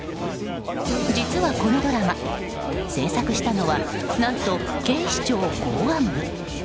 実はこのドラマ制作したのは何と警視庁公安部。